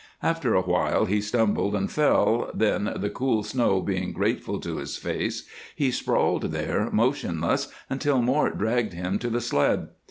After a while he stumbled and fell, then, the cool snow being grateful to his face, he sprawled there motionless until Mort dragged him to the sled.